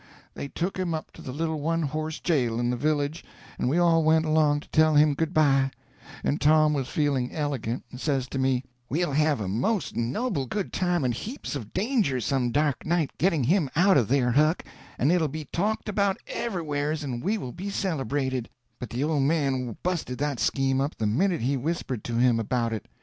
They took him up to the little one horse jail in the village, and we all went along to tell him good bye; and Tom was feeling elegant, and says to me, "We'll have a most noble good time and heaps of danger some dark night getting him out of there, Huck, and it'll be talked about everywheres and we will be celebrated;" but the old man busted that scheme up the minute he whispered to him about it.